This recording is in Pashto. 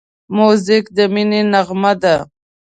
موزیک د مینې نغمه ده.